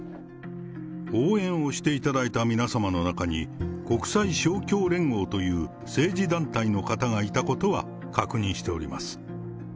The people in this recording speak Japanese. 応援をしていただいた皆様の中に、国際勝共連合という政治団体の方がいたことは確認しております。